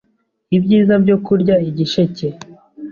Ibyiza byo kurya igisheke